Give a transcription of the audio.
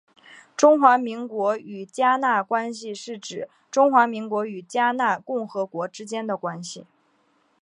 中华民国与迦纳关系是指中华民国与迦纳共和国之间的关系。